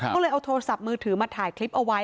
ก็เลยเอาโทรศัพท์มือถือมาถ่ายคลิปเอาไว้